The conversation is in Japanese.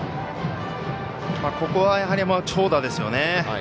ここはやはり長打ですよね。